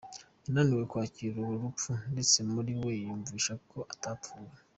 Yananiwe kwakira uru rupfu ndetse muri we yiyumvisha ko atapfuye.